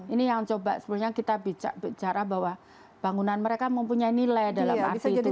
ini yang coba sebenarnya kita bicara bahwa bangunan mereka mempunyai nilai dalam arti itu